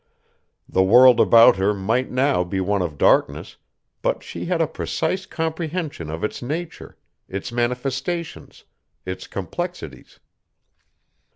The world about her might now be one of darkness, but she had a precise comprehension of its nature, its manifestations, its complexities.